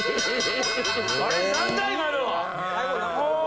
あれ⁉何だ今のは。